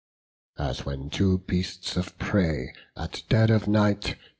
As when two beasts of prey, at dead of night.